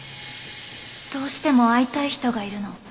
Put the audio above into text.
どうしても会いたい人がいるの。